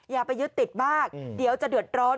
อย่าไปยึดติดมากเดี๋ยวจะเดือดร้อน